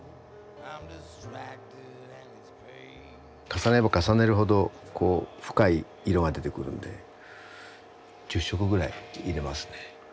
重ねれば重ねるほどこう深い色が出てくるんで十色ぐらい入れますね。